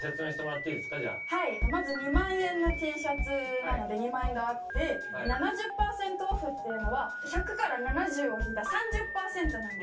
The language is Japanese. まず２万円のＴシャツなので２万円があって７０％オフっていうのは１００から７０を引いた３０％なんですよ。